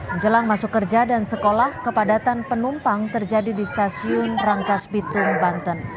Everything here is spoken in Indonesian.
menjelang masuk kerja dan sekolah kepadatan penumpang terjadi di stasiun rangkas bitung banten